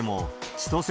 千歳、